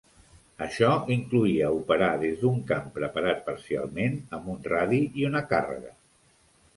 Això incloïa operar des d'un camp preparat parcialment amb un radi i una càrrega.